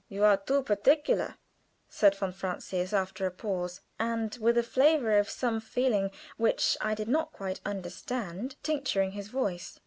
"You are too particular," said von Francius, after a pause, and with a flavor of some feeling which I did not quite understand tincturing his voice.